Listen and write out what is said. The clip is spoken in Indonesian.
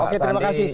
oke terima kasih